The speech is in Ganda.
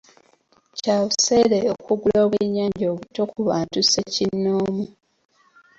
Kya buseere okugula obwennyanja obuto ku bantu ssekinnoomu.